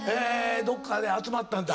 どっかで集まったんだ。